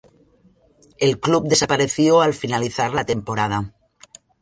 El club desapareció al finalizar la temporada.